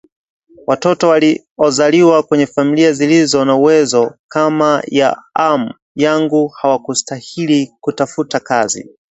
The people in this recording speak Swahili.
Watoto waliozaliwa kwenye familia zilizo na uwezo kama ya amu yangu hawakustahili kutafuta kazi